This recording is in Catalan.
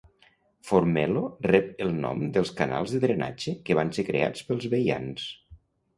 Formello rep el nom dels canals de drenatge que van ser creats pels veians.